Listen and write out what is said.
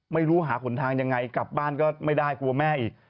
ไม่รู้หาหนทางยังไงกลับบ้านก็ไม่ได้กลัวแม่อีก